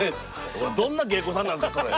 俺どんな芸妓さんなんすかそれ。